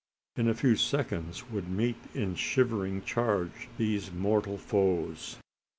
In a few seconds would meet in shivering charge these mortal foes.